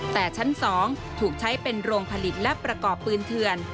แต่ชั้น๒ถูกใช้เป็นโรงผลิตและประกอบปืนเถื่อน